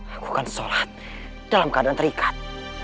aku akan salat dalam keadaan terikat